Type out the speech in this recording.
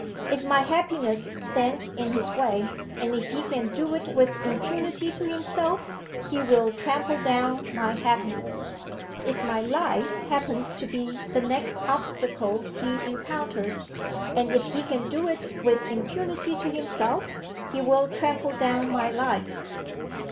If my happiness stands in his way and if he can do it with impunity to himself he will trample down my happiness. If my life happens to be the next obstacle he encounters and if he can do it with impunity to himself he will trample down my life.